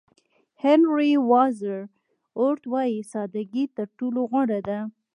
هېنري واډز اورت وایي ساده ګي تر ټولو غوره ده.